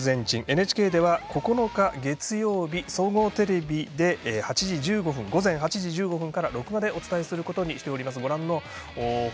ＮＨＫでは９日、月曜日総合テレビで午前８時１５分から、録画でお伝えすることにしています。